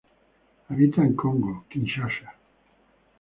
Habita en Congo, Kinshasa.